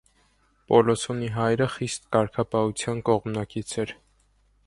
Պոլսոնի հայրը խիստ կարգապահության կողմնակից էր։